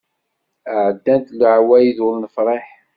Ɛeddant leɛwayed ur nefṛiḥ.